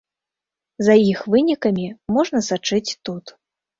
За іх вынікамі можна сачыць тут.